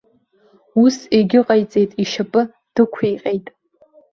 Ус егьыҟаиҵеит, ишьапы дықәиҟьеит.